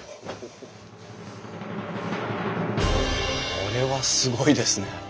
これはすごいですね。